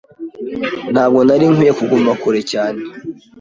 Ntabwo nari nkwiye kuguma kure cyane.